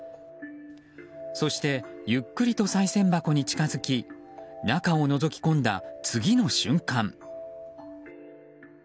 そしてゆっくりとさい銭箱に近づき中をのぞきこんだ次の瞬間。